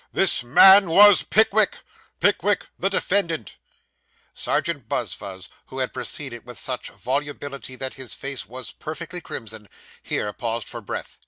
This man was Pickwick Pickwick, the defendant.' Serjeant Buzfuz, who had proceeded with such volubility that his face was perfectly crimson, here paused for breath.